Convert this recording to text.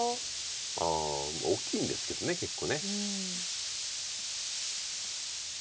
ああ大きいんですけど結構。